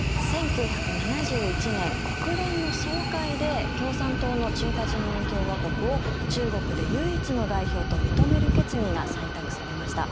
１９７１年、国連の総会で共産党の中華人民共和国を中国で唯一の代表と認める決議が採択されました。